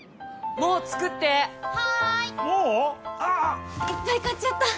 もう⁉ああ・・・いっぱい買っちゃった！